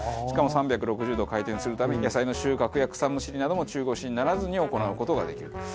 しかも３６０度回転するため野菜の収穫や草むしりなども中腰にならずに行う事ができる。